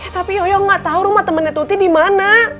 tapi yoyo gak tahu rumah temannya tuti dimana